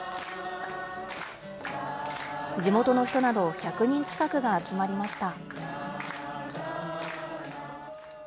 地元の人など１００人近くが集まりました。